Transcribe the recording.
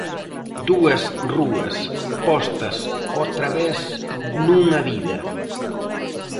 Dúas rúas postas ó través nunha vida.